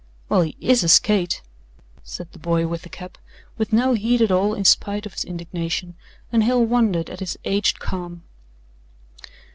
"Well, he IS a skate," said the boy with the cap, with no heat at all in spite of his indignation, and Hale wondered at his aged calm.